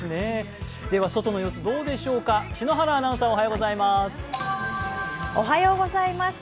外の様子どうでしょうか、篠原アナウンサーおはようございます。